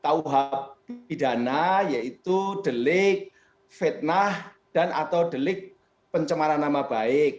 yaitu tadi mengacu pada tauhab pidana yaitu delik fitnah dan atau delik pencemaran nama baik